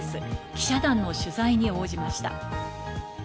記者団の取材に応じました。